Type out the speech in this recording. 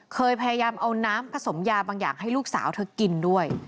เคยพยายามเอาน้ำผสมยาบางอย่างให้ลูกสาวเธอกินด้วย